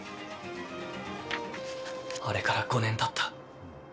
あれから５年たった。